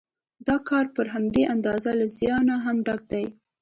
دا کار پر همدې اندازه له زیانه هم ډک دی